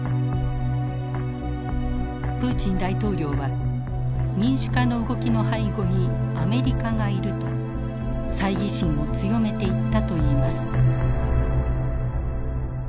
プーチン大統領は民主化の動きの背後にアメリカがいると猜疑心を強めていったといいます。